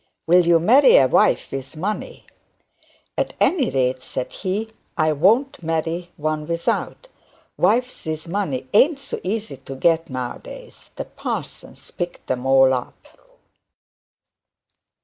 'Will you marry a wife with money?' 'At any rate,' said he, 'I won't marry one without; wives with money a'nt so easy to get now a days; the parsons pick them all up.'